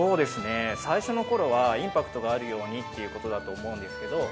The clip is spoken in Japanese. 最初の頃はインパクトがあるようにということだと思うんですけど